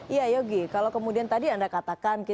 iya yogi kalau kemudian tadi anda katakan